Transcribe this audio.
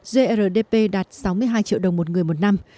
grdp đạt sáu mươi hai triệu đồng một người một năm